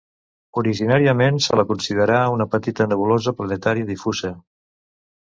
Originàriament se la considerà una petita nebulosa planetària difusa.